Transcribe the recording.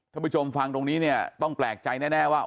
ผู้ชมฟังตรงนี้เนี่ยต้องแปลกใจแน่ว่า